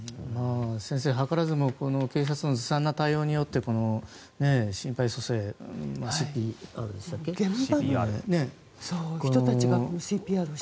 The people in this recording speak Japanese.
先生、図らずも警察のずさんな対応によって心肺蘇生がね。